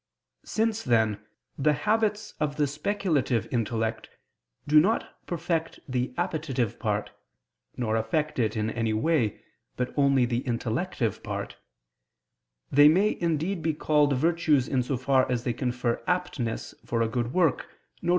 Since, then, the habits of the speculative intellect do not perfect the appetitive part, nor affect it in any way, but only the intellective part; they may indeed be called virtues in so far as they confer aptness for a good work, viz.